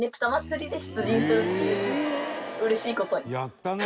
「やったね」